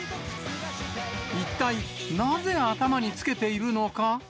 一体なぜ頭に着けているのか？